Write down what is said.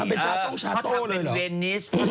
ทำเป็นชาโต้ชาโต้เลยหรอ